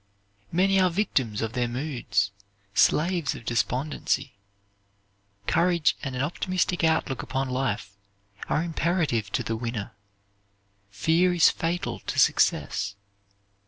Many are victims of their moods, slaves of despondency. Courage and an optimistic outlook upon life are imperative to the winner. Fear is fatal to success.